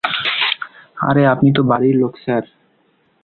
আরে আপনি তো বাড়ির লোক, স্যার।